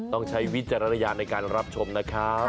ใช้วิจารณญาณในการรับชมนะครับ